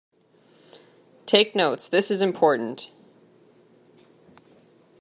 Take notes; this is important.